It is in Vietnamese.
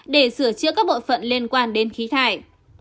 để sửa chữa các bộ phận liên quan đến khí thải